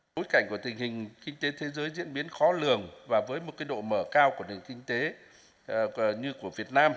bối cảnh của tình hình kinh tế thế giới diễn biến khó lường và với một độ mở cao của nền kinh tế như của việt nam